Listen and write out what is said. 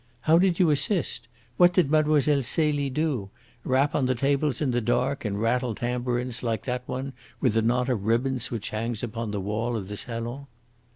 How did you assist? What did Mlle. Celie do? Rap on the tables in the dark and rattle tambourines like that one with the knot of ribbons which hangs upon the wall of the salon?"